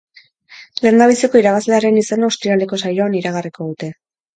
Lehendabiziko irabazlearen izena ostiraleko saioan iragarriko dute.